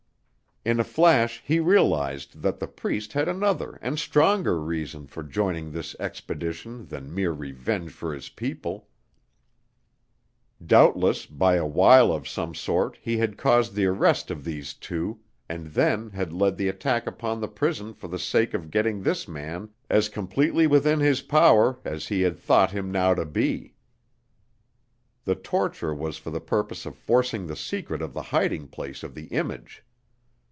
In a flash he realized that the Priest had another and stronger reason for joining this expedition than mere revenge for his people; doubtless by a wile of some sort he had caused the arrest of these two, and then had led the attack upon the prison for the sake of getting this man as completely within his power as he had thought him now to be. The torture was for the purpose of forcing the secret of the hiding place of the image.